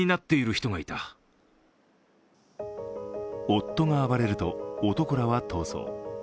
夫が暴れると、男らは逃走。